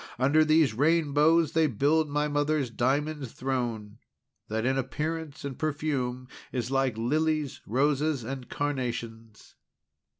Under these rainbows they build my mother's diamond throne, that in appearance and perfume is like lilies, roses, and carnations.